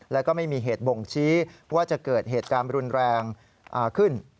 แล้วก็ไม่มีเหตุบ่งชี้ว่าจะเกิดเหตุการณ์รุนแรงขึ้น